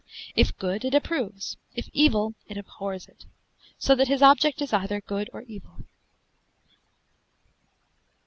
If good, it approves; if evil, it abhors it: so that his object is either good or evil.